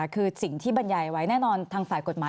คือสิ่งที่บรรยายไว้แน่นอนทางฝ่ายกฎหมาย